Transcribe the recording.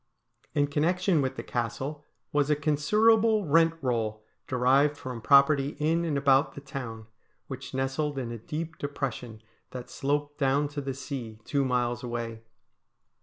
In connection with the Castle was a considerable rent roll derived from property in and about the town, which nestled in a deep depression that sloped clown to the sea, two miles away.